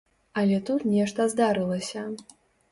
Але тут нешта здарылася.